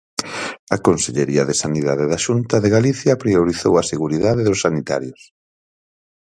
A Consellería de Sanidade da Xunta de Galicia priorizou a seguridade dos sanitarios.